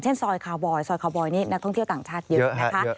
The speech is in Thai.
ซอยคาวบอยซอยคาวบอยนี่นักท่องเที่ยวต่างชาติเยอะนะคะ